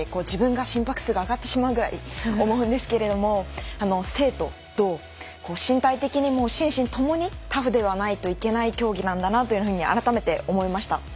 自分の心拍数が上がってしまうぐらい思うんですけれど静と動身体的に心身ともにタフでないといけない競技なんだなと改めて思いました。